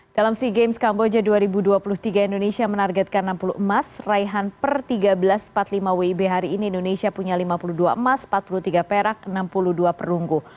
dalam sea games kamboja dua ribu dua puluh tiga indonesia menargetkan enam puluh emas raihan per tiga belas empat puluh lima wib hari ini indonesia punya lima puluh dua emas empat puluh tiga perak enam puluh dua perunggu